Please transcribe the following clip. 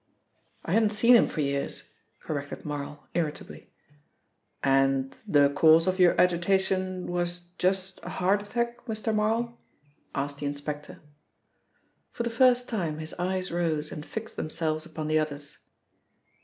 "I hadn't seen him for years," corrected Marl irritably. "And the cause of your agitation was just a heart attack, Mr. Marl?" asked the inspector. For the first time his eyes rose and fixed themselves upon the other's.